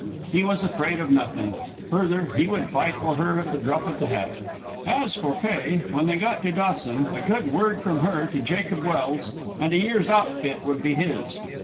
He was afraid of nothing. Further, he would fight for her at the drop of the hat. As for pay, when they got to Dawson, a good word from her to Jacob Welse, and a year's outfit would be his.